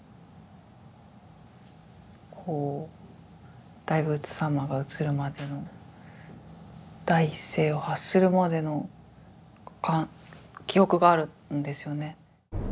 こう大仏様が映るまでの第一声を発するまでの記憶があるんですよね。